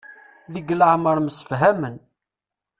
Deg leɛmer msefhamen.